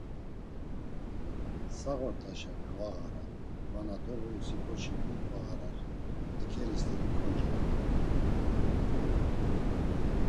Sağ ort̆aşa gvağara vana doğurusi ǩoçi mu gvağarar, eǩeri st̆eri koncay, ma.